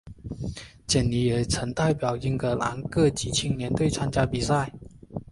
简尼也曾代表英格兰各级青年队参加比赛。